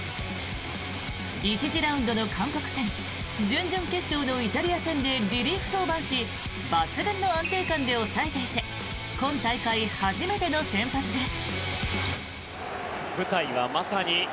１次ラウンドの韓国戦準々決勝のイタリア戦でリリーフ登板し抜群の安定感で抑えていて今大会初めての先発です。